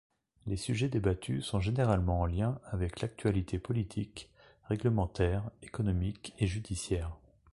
Les sujets débattus sont généralement en lien avec l'actualité politique, réglementaire, économique et judiciaire.